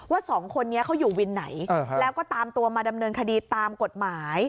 สองคนนี้เขาอยู่วินไหนแล้วก็ตามตัวมาดำเนินคดีตามกฎหมาย